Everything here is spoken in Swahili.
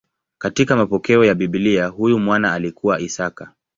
Katika mapokeo ya Biblia huyu mwana alikuwa Isaka.